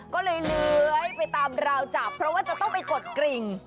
ก็เลยเลื้อยไปตามราวจับเพราะว่าจะต้องไปกดกริ่ง